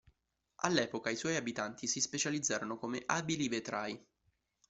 All'epoca i suoi abitanti si specializzarono come abili vetrai.